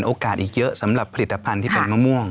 โอกาสอีกเยอะสำหรับผลิตภัณฑ์ที่เป็นมะม่วง